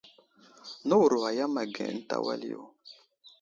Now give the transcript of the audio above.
Nəwuro a yam age ənta wal yo.